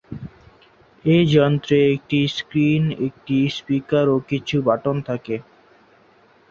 এ যন্ত্রে একটি স্ক্রিন, একটি স্পীকার এবং কিছু বাটন থাকে।